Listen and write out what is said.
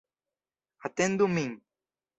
Atendu min.